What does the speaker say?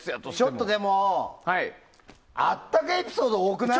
ちょっと、でもあったかエピソード多くない？